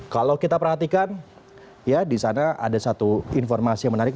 kalau kita perhatikan ya di sana ada satu informasi yang menarik